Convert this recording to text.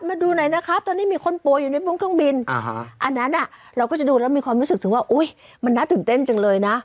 มาดูหน่อยนะครับตอนนี้มีคนป่วยอยู่ในวงเครื่องบินอันนั้นเราก็จะดูแล้วมีความรู้สึกถึงว่ามันน่าตื่นเต้นจังเลยนะ